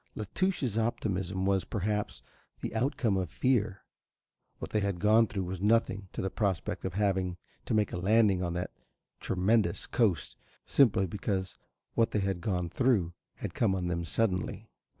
La Touche's optimism was, perhaps, the outcome of fear. What they had gone through was nothing to the prospect of having to make a landing on that tremendous coast, simply because what they had gone through had come on them suddenly.